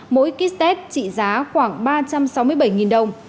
mỗi kit test trị giá khoảng ba trăm sáu mươi bảy đồng